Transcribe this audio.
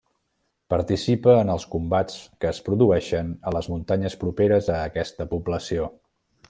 Participa en els combats que es produeixen a les muntanyes properes a aquesta població.